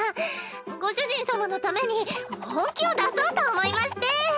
ご主人様のために本気を出そうと思いまして！